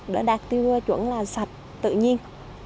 đã đạt tiêu chuẩn là sạch tự nhiên